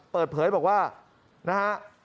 เปิดเผยบอกว่านะฮะ